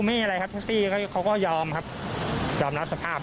ไม่มีอะไรครับแท็กซี่เขาก็ยอมครับยอมรับสภาพ